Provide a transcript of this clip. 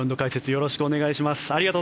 よろしくお願いします。